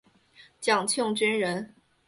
蒋庆均人。